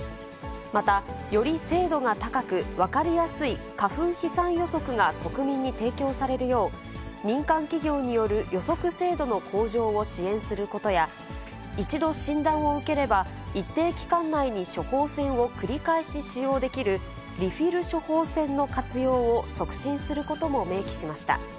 またより精度が高く、分かりやすい花粉飛散予測が国民に提供されるよう、民間企業による予測精度の向上を支援することや、一度診断を受ければ、一定期間内に処方箋を繰り返し使用できる、リフィル処方箋の活用を促進することも明記しました。